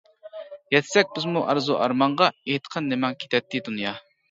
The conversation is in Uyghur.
يەتسەك بىزمۇ ئارزۇ-ئارمانغا، ئېيتقىن نېمەڭ كېتەتتى دۇنيا.